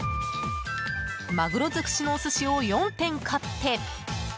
マグロ尽くしのお寿司を４点買って。